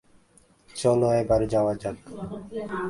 চলো, এবার যাওয়া যাক।